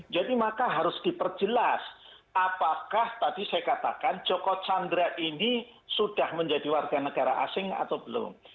jadi maka harus diperjelas apakah tadi saya katakan joko chandra ini sudah menjadi warganegara asing atau belum